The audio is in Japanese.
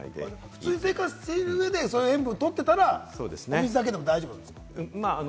普通に生活している上で、塩分を摂ってたらお水だけでも大丈夫ってことですか？